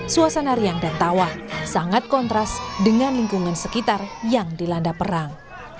suasana riang dan tawa sangat kontras dengan lingkungan sekitar yang dilanda perang